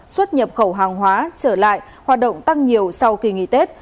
xuất nhập khẩu hàng hóa trở lại hoạt động tăng nhiều sau kỳ nghỉ tết